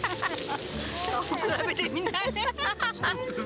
比べてみなよ。